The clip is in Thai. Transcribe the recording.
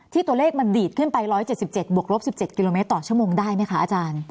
ตัวเลขมันดีดขึ้นไป๑๗๗บวกลบ๑๗กิโลเมตรต่อชั่วโมงได้ไหมคะอาจารย์